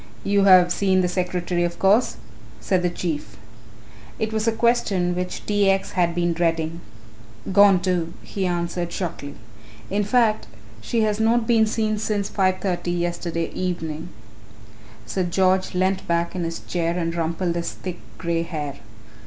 "You have seen the secretary of course," said the Chief. It was a question which T. X. had been dreading. "Gone too," he answered shortly; "in fact she has not been seen since 5:30 yesterday evening." Sir George leant back in his chair and rumpled his thick grey hair.